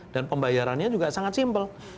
dan pembayarannya juga sangat simpel